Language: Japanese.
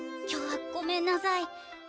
今日はごめんなさい。